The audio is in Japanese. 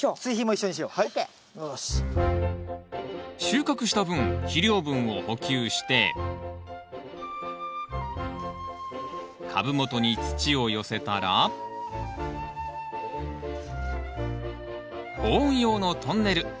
収穫した分肥料分を補給して株元に土を寄せたら保温用のトンネル。